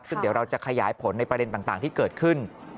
ซึ่งเดี๋ยวเราจะขยายผลในประเด็นต่างที่เกิดขึ้น